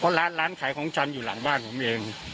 เพราะร้านร้านขายของชำอยู่หลังบ้านผมเอง